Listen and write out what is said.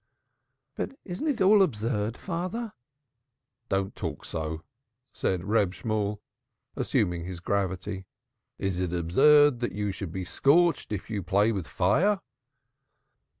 "But isn't it all absurd, father?" "Do not talk so," said Reb Shemuel, resuming his gravity. "Is it absurd that you should be scorched if you play with fire?"